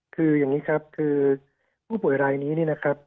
คืออย่างนี้ครับคือผู้ป่วยรายนี้นี่นะครับ